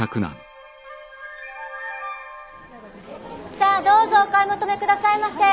さぁどうぞお買い求めくださいませ。